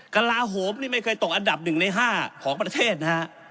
กระลาโหมนี่ไม่เคยตกอันดับ๑ใน๕ของประเทศนะฮะ